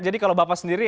jadi kalau bapak sendiri